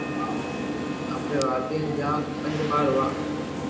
آپري والدين جا پنج ٻار هئا